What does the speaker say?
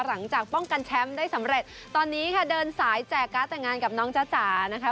หลังจากป้องกันแชมป์ได้สำเร็จตอนนี้ค่ะเดินสายแจกการ์ดแต่งงานกับน้องจ๊ะจ๋านะคะ